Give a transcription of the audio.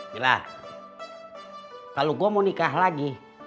mila kalau gue mau nikah lagi